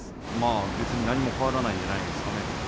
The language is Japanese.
別に何も変わらないんじゃないですかね。